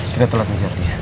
kita telat mencari